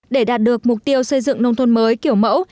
để đạt được mục tiêu xây dựng nông thôn mới kiểu mẫu